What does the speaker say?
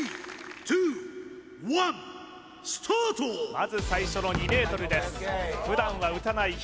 まず最初の２ｍです